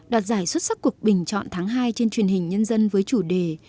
đạt giải xuất sắc cuộc bình chọn tháng hai trên truyền hình nhân dân với chủ đề